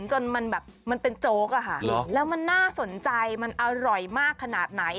จนมันแบบมันเป็นโจ๊กอะค่ะแล้วมันน่าสนใจมันอร่อยมากขนาดไหน